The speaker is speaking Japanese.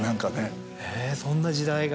へぇそんな時代が。